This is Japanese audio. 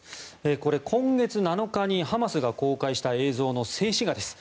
これ、今月７日にハマスが公開した映像の静止画です。